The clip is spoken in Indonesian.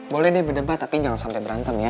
boleh deh berdebat tapi jangan sampai berantem ya